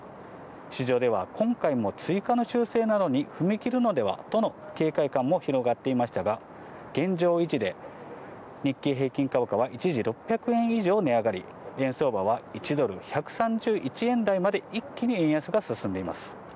市場では今回も追加の修正などに踏み切るのではとの警戒感も広がっていましたが、現状維持で、日経平均株価は一時６００円以上値上がり、円相場は１ドル１３１円台まで一気に円安が進んでいます。